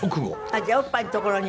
じゃあおっぱいの所に。